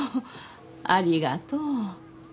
ありがとう。